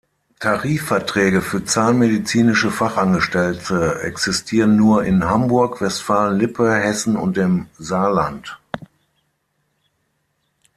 Tarifverträge für Zahnmedizinische Fachangestellte existieren nur in Hamburg, Westfalen-Lippe, Hessen und dem Saarland.